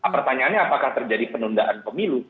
pertanyaannya apakah terjadi penundaan pemilu